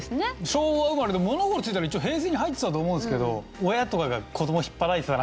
昭和生まれでも物心ついたら一応平成に入ってたと思うんですけど。